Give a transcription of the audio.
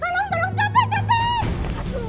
pergi pergi pergi pergi